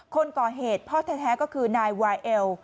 คนก่อเหตุพ่อแท้ก็คือนายวาเอล